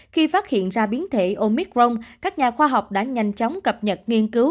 khi phát hiện ra biến thể omicron các nhà khoa học đã nhanh chóng cập nhật nghiên cứu